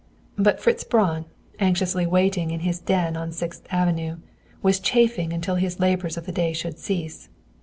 But Fritz Braun, anxiously waiting in his den on Sixth Avenue, was chafing until his labors of the day should cease.